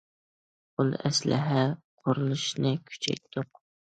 ئۇل ئەسلىھە قۇرۇلۇشىنى كۈچەيتتۇق.